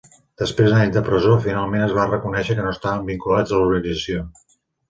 Després d'anys de presó, finalment es va reconèixer que no estaven vinculats a l'organització.